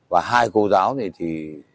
và hai cô giáo này thì